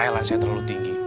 highlandsnya terlalu tinggi